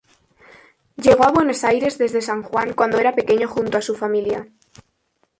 Llegó a Buenos Aires desde San Juan cuando era pequeño junto a su familia.